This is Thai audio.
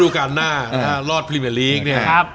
ฤดูการหน้ารอดพรีเมียนลีก